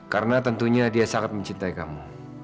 karena tentunya dia sangat mencintai kamu